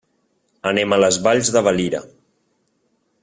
Anem a les Valls de Valira.